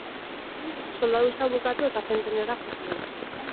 Soldaduska bukatu eta Argentinara jo zuen.